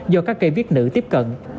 do các cây viết nữ tiếp cận